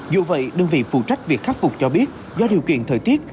dù vậy đơn vị phụ trách việc khắc phục cho biết do điều kiện thời tiết